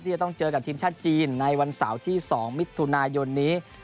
จะต้องเจอกับทีมชาติจีนในวันเสาร์ที่๒มิถุนายนนี้